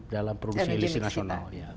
dalam produksi elisir nasional